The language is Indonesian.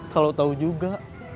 kalau tahu juga